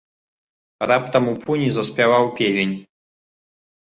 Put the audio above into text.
Раптам у пуні заспяваў певень.